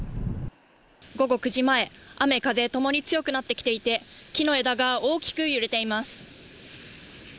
午後９時前雨風共に強くなってきていて木の枝が大きく揺れています。